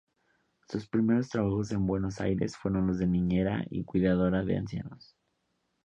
Sus primeros trabajos en Buenos Aires, fueron los de niñera y cuidadora de ancianos.